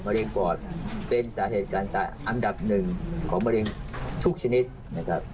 เร็งปอดเป็นสาเหตุการตายอันดับหนึ่งของมะเร็งทุกชนิดนะครับ